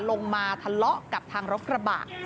ลงมาทะเลาะกับทางรถกระบะ